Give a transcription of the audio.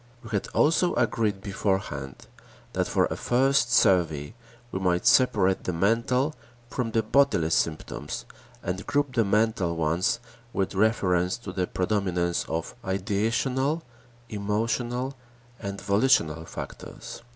We had also agreed beforehand that for a first survey we might separate the mental from the bodily symptoms and group the mental ones with reference to the predominance of ideational, emotional, and volitional factors.